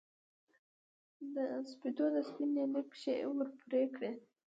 د سپېدو د سپین نیلي پښې یې ور پرې کړې